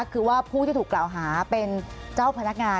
คือว่าผู้ที่ถูกกล่าวหาเป็นเจ้าพนักงาน